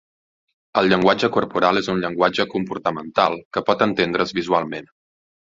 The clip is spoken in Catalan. El llenguatge corporal és un llenguatge comportamental que pot entendre's visualment.